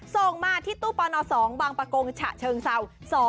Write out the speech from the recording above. ส่งมาที่ตู้ปอนอสองบางประกงชะเชิงเศร้า๒๔๑๓๐